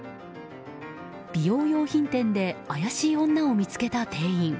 美容用品店で怪しい女を見つけた店員。